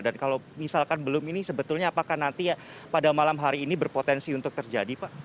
dan kalau misalkan belum ini sebetulnya apakah nanti pada malam hari ini berpotensi untuk terjadi pak